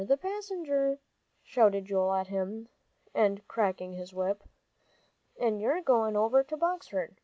"You're the passenger," shouted Joel at him, and cracking his whip, "and you're going over to Boxford.